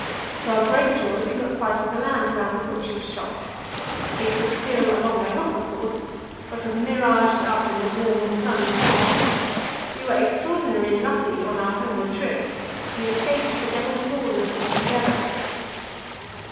To our great joy, we got sight of the land around the Butcher's Shop. It was still a long way off, of course, but was miraged up in the warm, sunny air. We were extraordinarily lucky on our homeward trip; we escaped the Devil's Ballroom altogether.